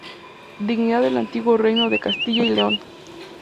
Dignidad del antiguo reino de Castilla y León.